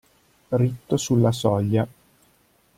Ritto sulla soglia.